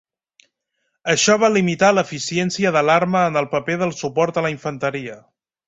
Això va limitar l'eficiència de l'arma en el paper del suport a la infanteria.